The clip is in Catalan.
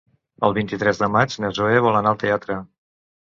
El vint-i-tres de maig na Zoè vol anar al teatre.